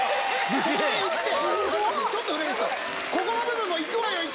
ここの部分もいくわよい